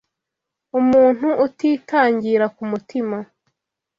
Umuntu utitangira ku mutima